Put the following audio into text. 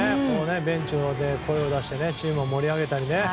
ベンチで声を出してチームを盛り上げたりね。